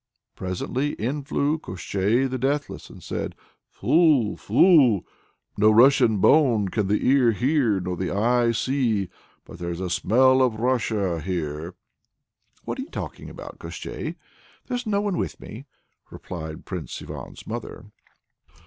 Presently in flew Koshchei the Deathless and said: "Phoo, Phoo! No Russian bone can the ear hear nor the eye see, but there's a smell of Russia here!" "What are you talking about, Koshchei? There's no one with me," replied Prince Ivan's mother.